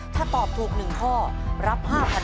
ถ้าตอบถูก๑ข้อรับ๕๐๐๐